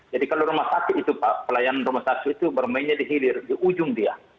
jadi kalau rumah sakit itu pelayanan rumah sakit itu bermainnya dihilir di ujung dia